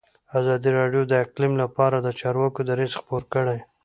ازادي راډیو د اقلیم لپاره د چارواکو دریځ خپور کړی.